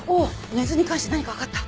根津に関して何かわかった？